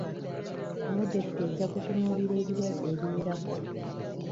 Pulogulaamu ejja kutunuulira ebirwadde ebiwerako.